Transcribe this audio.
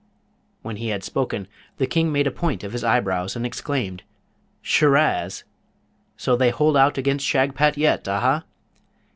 When he had spoken, the King made a point of his eyebrows, and exclaimed, 'Shiraz? So they hold out against Shagpat yet, aha?